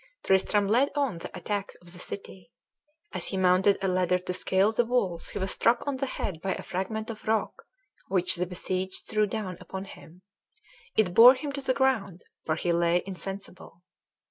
Tristram led on the attack of the city. As he mounted a ladder to scale the walls he was struck on the head by a fragment of rock, which the besieged threw down upon him. It bore him to the ground, where he lay insensible.